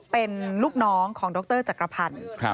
เป็นลูกน้องของดรจักรพันธ์